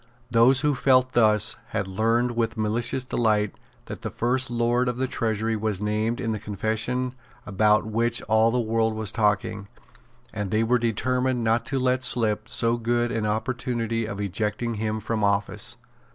Those who felt thus had learned with malicious delight that the First Lord of the Treasury was named in the confession about which all the world was talking; and they were determined not to let slip so good an opportunity of ejecting him from office.